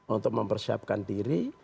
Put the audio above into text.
untuk mempersiapkan diri